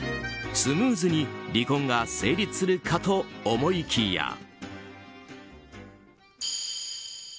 スムーズに離婚が成立するかと思いきや。